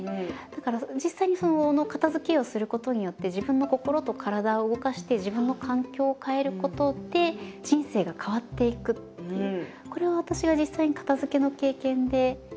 だから実際にその片づけすることによって自分の心と体を動かして自分の環境を変えることで人生が変わっていくっていう。